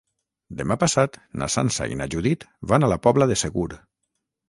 Demà passat na Sança i na Judit van a la Pobla de Segur.